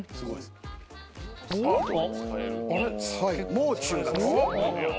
もう中学生。